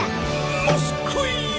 モスコイ！